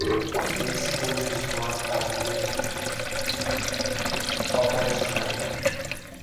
The school is not currently operational.